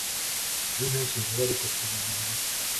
wimpeshyi vuba ariko kubintu bimwe